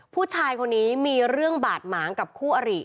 ผู้ชายคนนี้มีเรื่องบาดหมางกับคู่อริ